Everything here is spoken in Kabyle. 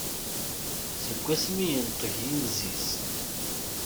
Seg wasmi yenteg yinziz.